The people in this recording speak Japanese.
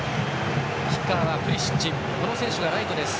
キッカーはプリシッチ。